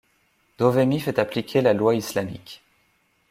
Dhovemi fait appliquer la loi islamique.